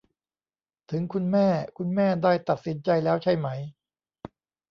ถึงคุณแม่ คุณแม่ได้ตัดสินใจแล้วใช่ไหม ?